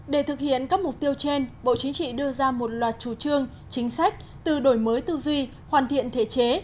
để thực hiện các mục tiêu trên bộ chính trị đưa ra một loạt chủ trương chính sách từ đổi mới tư duy hoàn thiện thể chế